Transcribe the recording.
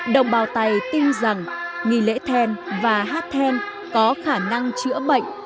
đồng bào tài tin rằng nghỉ lễ then và hát then có khả năng chữa bệnh